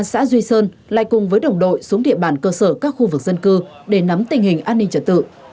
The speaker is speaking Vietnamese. mỗi sáng đại úy lê thị kim phượng cán bộ công an xã duy sơn lại cùng với đồng đội xuống địa bàn cơ sở các khu vực dân cư để nắm tình hình an ninh trật tự